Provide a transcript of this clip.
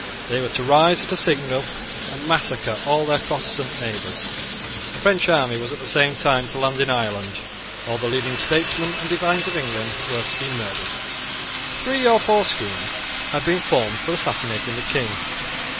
They were to rise at a signal and massacre all their Protestant neighbours. A French army was at the same time to land in Ireland. All the leading statesmen and divines of England were to be murdered. Three or four schemes had been formed for assassinating the King.